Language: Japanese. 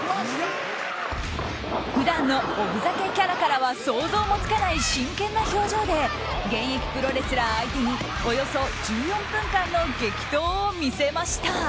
普段のおふざけキャラからは想像もつかない真剣な表情で現役プロレスラー相手におよそ１４分間の激闘を見せました。